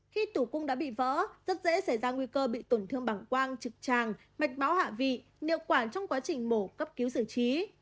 khi tủ cung đã bị vỡ rất dễ xảy ra nguy cơ bị tổn thương bảng quang trực tràng mạch máu hạ vị quản trong quá trình mổ cấp cứu sử trí